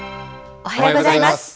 おはようございます。